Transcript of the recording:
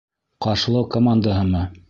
Ҡаршылау командаһымы?